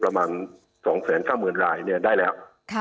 ประมาณ๒๙๐๐๐๐๐รายเนี่ยได้แล้ว